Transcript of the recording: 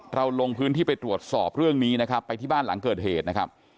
ลงพื้นที่ไปตรวจสอบเรื่องนี้นะครับไปที่บ้านหลังเกิดเหตุนะครับ